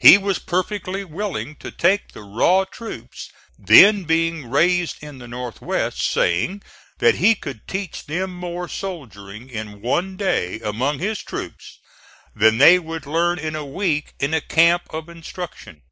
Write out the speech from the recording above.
He was perfectly willing to take the raw troops then being raised in the North west, saying that he could teach them more soldiering in one day among his troops than they would learn in a week in a camp of instruction.